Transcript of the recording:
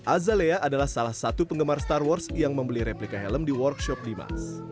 azalea adalah salah satu penggemar star wars yang membeli replika helm di workshop dimas